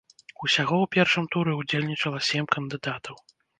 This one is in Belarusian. Усяго ў першым туры ўдзельнічала сем кандыдатаў.